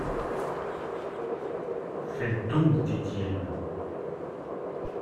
Faites donc, dit-il.